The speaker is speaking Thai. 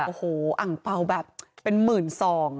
โอ้โหอังเปล่าแบบเป็นหมื่นซอง